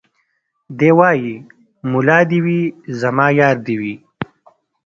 دی وايي ملا دي وي زما يار دي وي